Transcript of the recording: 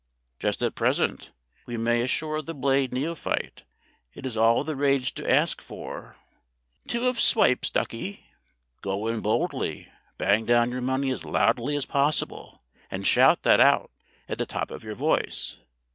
Just at present, we may assure the Blade neophyte, it is all the rage to ask for "Two of swipes, ducky." Go in boldly, bang down your money as loudly as possible, and shout that out at the top of your voice.